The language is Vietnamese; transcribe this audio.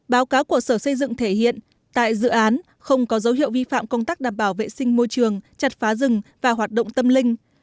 báo cáo của sở xây dựng thể hiện tại dự án không có dấu hiệu vi phạm công tác đảm bảo vệ sinh môi trường chặt phá rừng và hoạt động tâm linh